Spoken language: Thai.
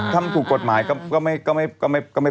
ถ้ามันถูกกฎหมายก็ไม่เป็นไร